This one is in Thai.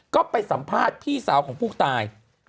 ก็ไปสัมภาษณ์พี่สาวของผู้ตาย